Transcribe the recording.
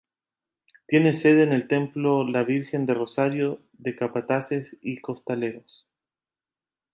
Tiene sede en el templo la virgen del Rosario de capataces y costaleros